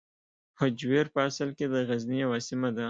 هجویر په اصل کې د غزني یوه سیمه ده.